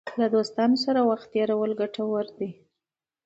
له دوستانو سره وخت تېرول ګټور دی.